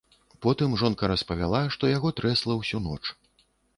Потым жонка распавяла, што яго трэсла ўсю ноч.